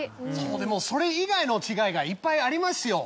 でもそれ以外の違いがいっぱいありますよ。